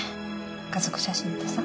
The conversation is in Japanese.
家族写真ってさ。